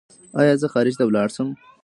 ایا زه خارج ته لاړ شم؟